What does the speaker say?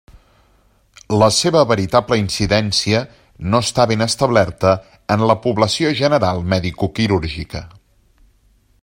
La seva veritable incidència no està ben establerta en la població general medicoquirúrgica.